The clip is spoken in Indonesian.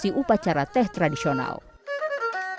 tapi ada yang mengatakan bahwa ini adalah tradisi yang harus dilestarikan